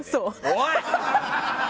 おい！